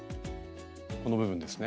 この部分ですね。